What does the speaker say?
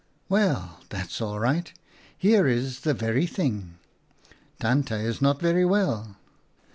" 'Well, that's all right. Here is the very thing. Tante is not very well.